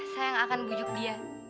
saya yang akan bujuk dia